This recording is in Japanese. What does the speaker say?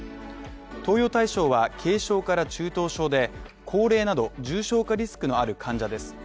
投与対象は軽症から中等症で、高齢など重症化リスクのある患者です。